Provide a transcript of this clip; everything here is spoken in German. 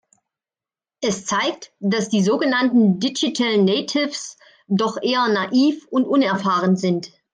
Es zeigt, dass die sogenannten Digital Natives doch eher naiv und unerfahren sind.